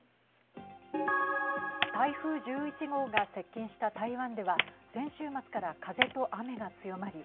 台風１１号が接近した台湾では先週末から風と雨が強まり